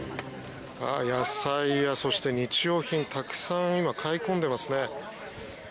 野菜や、そして日用品たくさん今、買い込んでいますね。